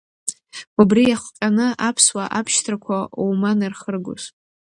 Убри иахҟьаны аԥсуа абшьҭрақәа оуман ирхыргоз.